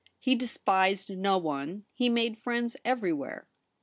He despised no one ; he made friends every where.